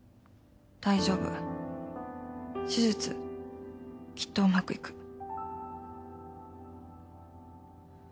大丈夫手術きっとうまく行く。」